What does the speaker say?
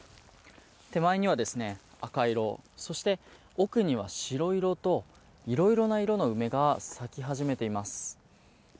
手前には赤色、奥には白色といろいろな色の梅が咲き始めています。